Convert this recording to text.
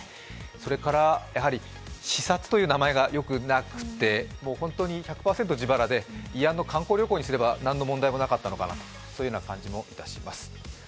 それから、やはり視察という名前がよくなくて本当に１００％自腹で慰安の観光旅行にすれば何の問題もなかったのかなという感じもいたします。